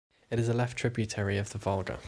It is a left tributary of the Volga.